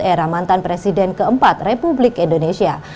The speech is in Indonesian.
era mantan presiden keempat republik indonesia